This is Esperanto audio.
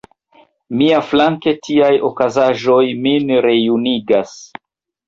Miaflanke, tiaj okazaĵoj min rejunigas.